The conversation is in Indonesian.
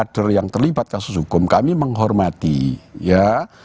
kader yang terlibat kasus hukum kami menghormati ya